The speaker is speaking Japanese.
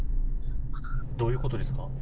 どういうことですか？